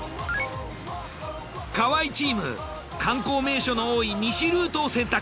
河合チーム観光名所の多い西ルートを選択。